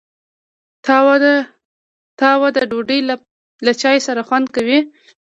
تاوده ډوډۍ له چای سره خوند کوي.